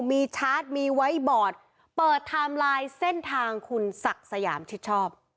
มีชาร์จมีไว้บอร์ดเปิดไทม์ไลน์เส้นทางคุณศักดิ์สยามชิดชอบ